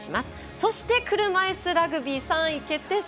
そして車いすラグビー３位決定戦。